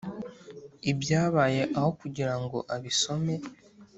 ibyabaye aho kugira ngo abisome